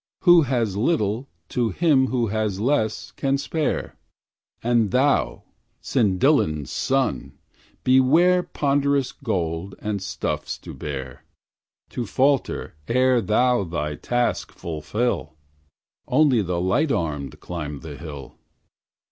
Who has little, to him who has less, can spare, And thou, Cyndyllan's son! beware Ponderous gold and stuffs to bear, To falter ere thou thy task fulfil, Only the light armed climb the hill.